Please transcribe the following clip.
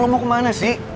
lo mau kemana sih